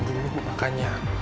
dulu bu makanya